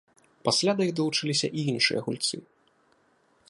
Пасля да іх далучыліся і іншыя гульцы.